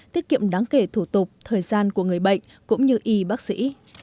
tiết kiệm đáng kể thủ tục thời gian của người bệnh cũng như y bác sĩ